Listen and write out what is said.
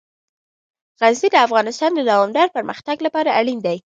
غزني د افغانستان د دوامداره پرمختګ لپاره اړین دي.